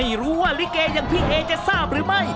ไม่รู้ว่าลิเกอย่างพี่เอจะทราบหรือไม่